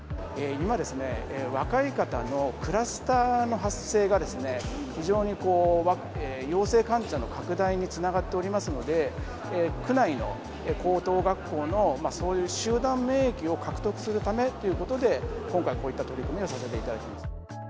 今ですね、若い方のクラスターの発生が、非常にこう、陽性患者の拡大につながっておりますので、区内の高等学校のそういう集団免疫を獲得するためということで、今回、こういった取り組みをさせていただいています。